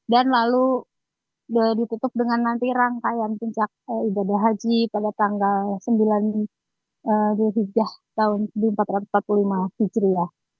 dan lalu ditutup dengan nanti rangkaian pincak ibadah haji pada tanggal sembilan dua puluh tiga tahun seribu empat ratus empat puluh lima hijri